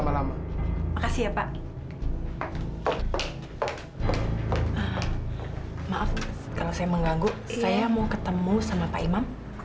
maaf kalau saya mengganggu saya mau ketemu sama pak imam